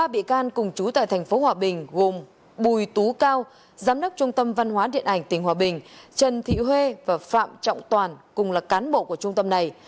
ba bị can cùng chú tại tp hòa bình gồm bùi tú cao giám đốc trung tâm văn hóa điện ảnh tình hòa bình trần thị huê và phạm trọng toàn cùng là cán bộ của trung tâm này